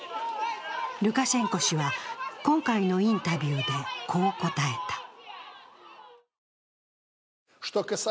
ルカシェンコ氏は今回のインタビューでこう答えた。